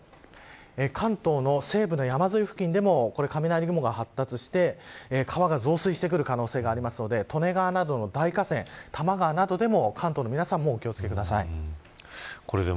関東の西部の山沿い付近でも雷雲が発達して川が増水してくる可能性がありますので利根川などの大河川多摩川などでも、関東の皆さんもお気を付けください。